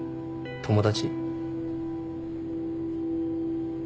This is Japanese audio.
友達？